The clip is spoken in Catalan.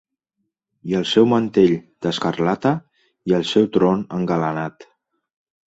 I el seu mantell d'escarlata, i el seu tron engalanat.